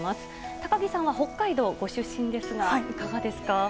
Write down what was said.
高木さんは北海道ご出身ですがいかがですか？